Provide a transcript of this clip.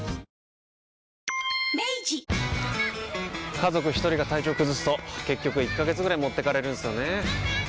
家族一人が体調崩すと結局１ヶ月ぐらい持ってかれるんすよねー。